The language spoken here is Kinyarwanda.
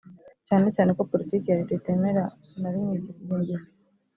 cyane cyane ko politiki ya Leta itemera na rimwe iyo ngeso